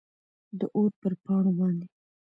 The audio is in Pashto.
داور پر پاڼو باندي ،